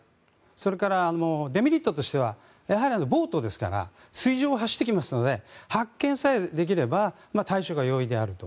それからデメリットとしてはボートですから水上を走ってきますので発見さえできれば対処が容易であると。